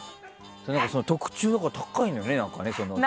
特注だから高いのよね。